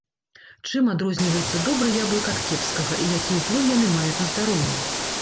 Чым адрозніваецца добры яблык ад кепскага і які ўплыў яны маюць на здароўе.